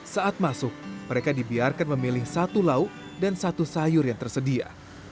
saat masuk mereka dibiarkan memilih satu lauk dan satu sayur yang tersedia